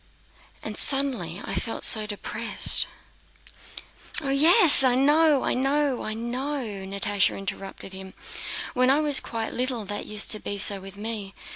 and suddenly I felt so depressed..." "Oh yes, I know, I know, I know!" Natásha interrupted him. "When I was quite little that used to be so with me.